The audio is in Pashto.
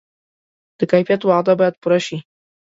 د کیفیت وعده باید پوره شي.